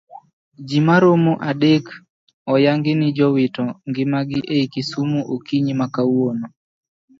Jii maromo adek oyangi ni jowito ngimagi ei kisumu okinyi makawuono